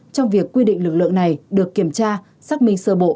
trong việc quy định lực lượng này được kiểm tra xác minh sơ bộ